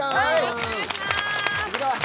お願いします。